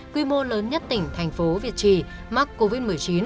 quy mô lớn nhất tỉnh thành phố việt trì mắc covid một mươi chín